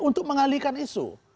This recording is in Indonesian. untuk mengalihkan isu